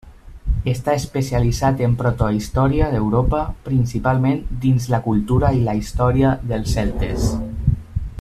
Està especialitzat en protohistòria d'Europa, principalment dins la cultura i la història dels celtes.